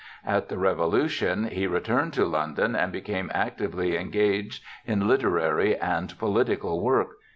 At the Revolution he returned to London and became actively engaged in literary and political work.